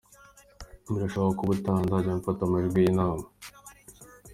Birashoboka ko ubutaha nzajya mfata amajwi y’inama.